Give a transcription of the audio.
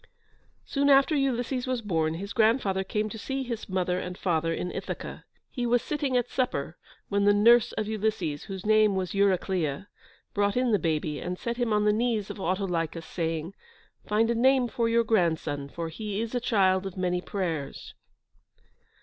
Soon after Ulysses was born, his grandfather came to see his mother and father in Ithaca. He was sitting at supper when the nurse of Ulysses, whose name was Eurycleia, brought in the baby, and set him on the knees of Autolycus, saying, "Find a name for your grandson, for he is a child of many prayers."